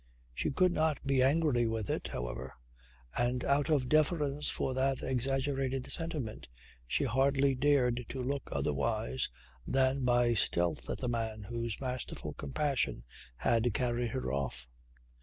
She could not be angry with it, however, and out of deference for that exaggerated sentiment she hardly dared to look otherwise than by stealth at the man whose masterful compassion had carried her off.